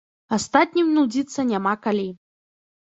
Астатнім нудзіцца няма калі.